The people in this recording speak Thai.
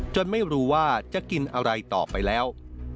ไม่รู้ว่าจะกินอะไรต่อไปแล้ว